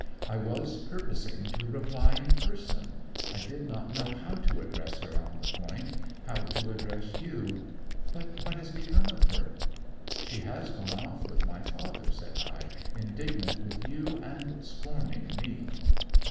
'I was purposing to reply in person: I did not know how to address her on the point how to address you. But what has become of her?' 'She has gone off with my father,' said I; 'indignant with you, and scorning me.'